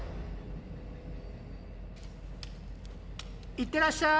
いってらっしゃい！